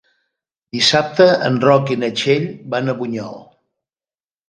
Dissabte en Roc i na Txell van a Bunyol.